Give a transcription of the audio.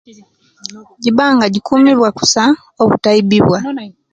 Gibanga gikumirwe kusa obutaibibwa.